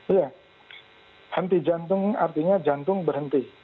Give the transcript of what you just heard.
iya henti jantung artinya jantung berhenti